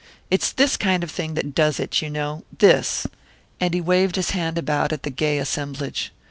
It's this kind of thing that does it, you know this." And he waved his hand about at the gay assemblage.